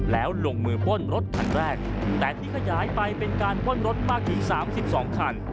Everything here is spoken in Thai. แล้วลงมือบ้นรถทันแรกแต่ที่ขยายไปเป็นการบ้นรถมากยืนสามสิบสองคัน